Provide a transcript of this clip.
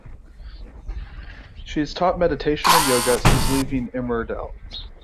She has taught meditation and yoga since leaving "Emmerdale".